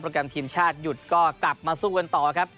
แกรมทีมชาติหยุดก็กลับมาสู้กันต่อครับ